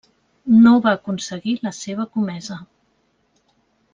No va aconseguir la seva comesa.